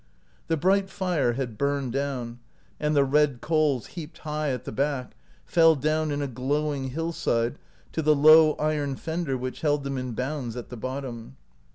The bright fire had burned down, and the red coals heaped high at the back fell down in a glowing hillside to the low iron fender which held them in bounds at the bottom.